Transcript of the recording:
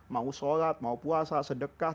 mau sholat mau puasa sedekah